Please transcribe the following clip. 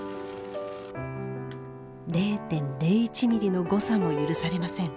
０．０１ｍｍの誤差も許されません。